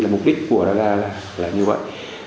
mục đích của radar là như vậy